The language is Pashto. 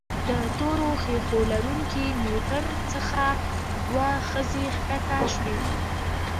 د تورو ښيښو لرونکي موټر څخه دوه ښځې ښکته شوې.